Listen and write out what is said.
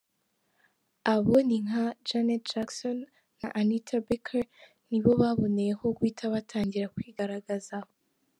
Abo ni nka Janet Jackson na Anita Baker, nabo baboneyeho guhita batangira kwigaragaza.